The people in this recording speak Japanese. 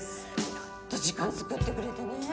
やっと時間作ってくれてね。